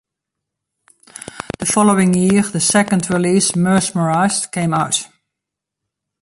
The following year the second release "Mesmerized" came out.